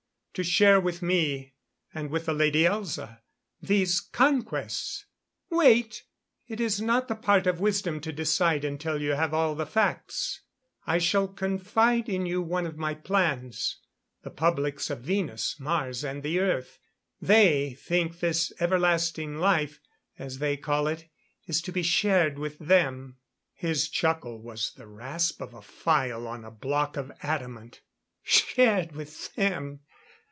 To share with me and with the Lady Elza these conquests.... Wait! It is not the part of wisdom to decide until you have all the facts. I shall confide in you one of my plans. The publics of Venus, Mars and the Earth they think this everlasting life, as they call it, is to be shared with them." His chuckle was the rasp of a file on a block of adamant. "Shared with them!